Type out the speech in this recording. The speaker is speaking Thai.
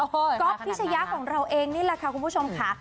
ก๊อฟพิชยะของเราเองนี่แหละค่ะคุณผู้ชมค่ะ